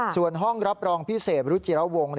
ส่วนห้องรับรองพิเศษรุจิระวง